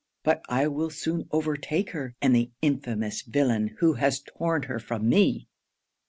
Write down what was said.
but I will soon overtake her; and the infamous villain who has torn her from me!'